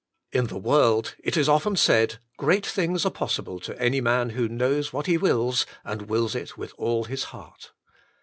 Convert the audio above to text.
In the world it is often said: Great things are possible to any man who knows what he wills, and wills it with all his heart.